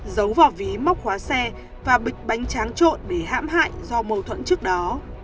giấu vỏ ví móc khóa xe và bịch bánh tráng trộn để hãm hại do mâu thuẫn trước đó